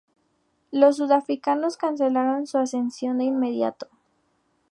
Los sudafricanos cancelaron su ascensión de inmediato.